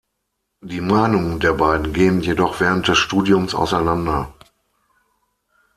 Die Meinungen der beiden gehen jedoch während des Studiums auseinander.